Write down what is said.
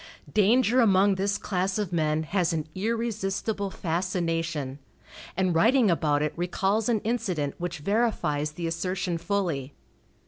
Danger among this class of men has an irresistible fascination, and writing about it recalls an incident which verifies the assertion fully.